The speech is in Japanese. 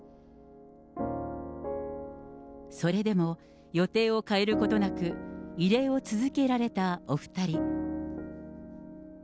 それでも予定を変えることなく、慰霊を続けられたお２人。